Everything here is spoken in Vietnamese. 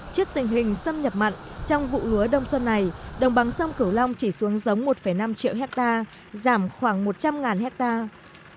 trước tình hình xâm nhập mặn trong vụ lúa đông xuân này đồng bằng sông cửu long chỉ xuống giống một năm triệu hectare giảm khoảng một trăm linh hectare